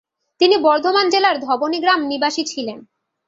তিনি বর্ধমান জেলার ধবনী গ্রাম নিবাসী ছিলেন।